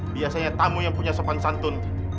biasanya tamu yang punya sopan santun